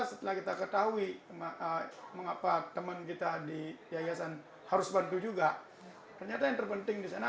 setelah kita ketahui mengapa teman kita di yayasan harus bantu juga ternyata yang terpenting di sana